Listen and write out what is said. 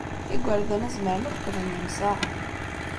Igerdan-a zemren ad qqlen d imsaɣen.